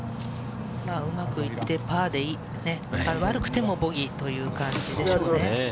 うまくいってパーでいい、悪くてもボギーという感じでしょうね。